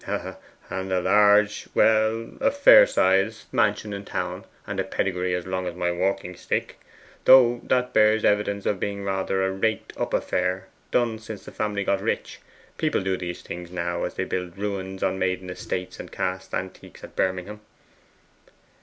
'And a large well, a fair sized mansion in town, and a pedigree as long as my walking stick; though that bears evidence of being rather a raked up affair done since the family got rich people do those things now as they build ruins on maiden estates and cast antiques at Birmingham.